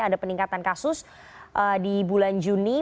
ada peningkatan kasus di bulan juni